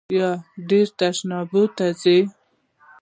ایا ډیر تشناب ته ځئ؟